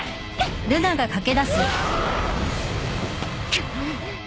くっ。